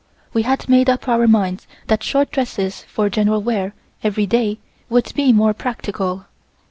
We had made up our minds that short dresses for general wear every day would be more practical.